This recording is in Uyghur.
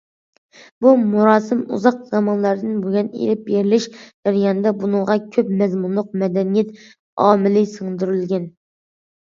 بۇ مۇراسىم ئۇزاق زامانلاردىن بۇيان ئېلىپ بېرىلىش جەريانىدا، بۇنىڭغا كۆپ مەزمۇنلۇق مەدەنىيەت ئامىلى سىڭدۈرۈلگەن.